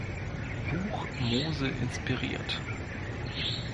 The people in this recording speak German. Buch Mose inspiriert.